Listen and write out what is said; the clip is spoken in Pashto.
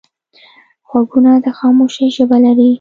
غوږونه د خاموشۍ ژبه لري